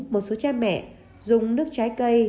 một số cha mẹ dùng nước trái cây